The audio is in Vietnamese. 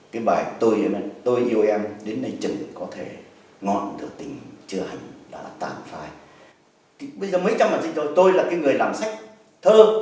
và tôi cảm thấy là nó phải cho một người dịch thơ